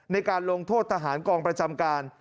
ในการลงโทษทหารกองประจำการ